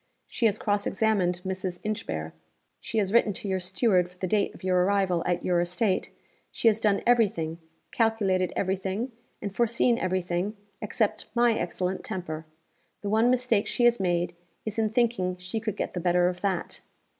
She has cross examined Mrs. Inchbare; she has written to your steward for the date of your arrival at your estate; she has done every thing, calculated every thing, and foreseen every thing except my excellent temper. The one mistake she has made, is in thinking she could get the better of _that.